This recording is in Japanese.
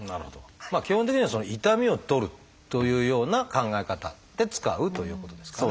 基本的には痛みを取るというような考え方で使うということですかね。